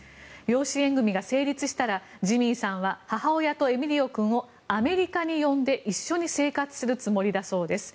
養子縁組が成立したらジミーさんは母親とエミリオ君をアメリカに呼んで一緒に生活するつもりだそうです。